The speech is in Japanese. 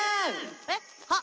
えっ⁉